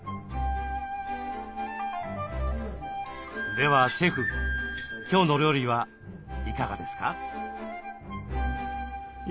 ではシェフ今日の料理はいかがですか？